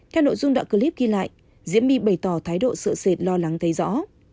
theo nội dung đạo clip ghi lại diễm my bày tỏ thái độ sợ sệt lo lắng thấy rõ